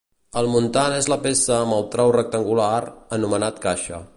El muntant és la peça amb el trau rectangular, anomenat caixa.